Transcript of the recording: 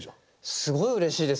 すごいうれしいです。